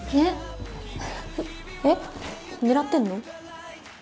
えっ狙ってんの？